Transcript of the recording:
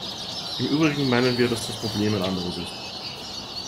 Im Übrigen meinen wir, dass das Problem ein anderes ist.